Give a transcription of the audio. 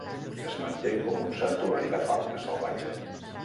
Es manté com un santuari de fauna salvatge.